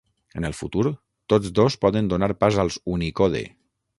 En el futur, tots dos poden donar pas als Unicode.